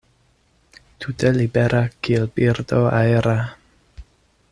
Tute libera, kiel birdo aera.